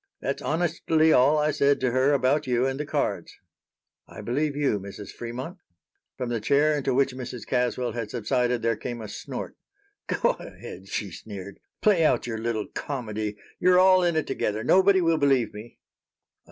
That's honestly all I said to her about you and the cards." "I believe you, Mrs. Fremont." From the chair into which Mrs. Caswell had subsided there came a snort. "Go ahead," she sneered. "Play out your little comedy. You're all in it together. Nobody will believe me."